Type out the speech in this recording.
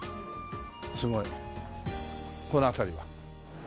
すごいこの辺りは。